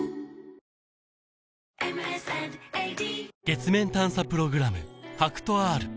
月面探査プログラム